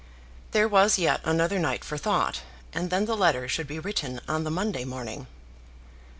There was yet another night for thought, and then the letter should be written on the Monday morning.